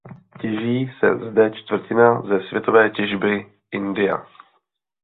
Těží se zde čtvrtina ze světové těžby india.